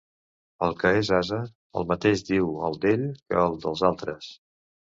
El que és ase, el mateix diu el d'ell que el dels altres.